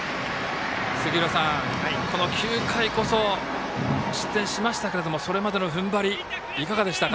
杉浦さん、この９回こそ失点しましたけれどもそれまでのふんばりいかがでしたか？